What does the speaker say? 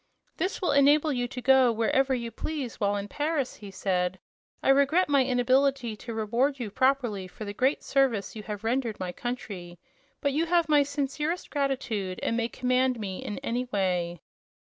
"This will enable you to go wherever you please, while in Paris," he said. "I regret my inability to reward you properly for the great service you have rendered my country; but you have my sincerest gratitude, and may command me in any way."